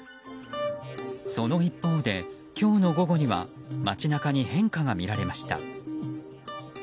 その一方で今日の午後には街中に変化が見られました。